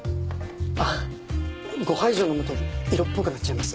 あっ５杯以上飲むと色っぽくなっちゃいます。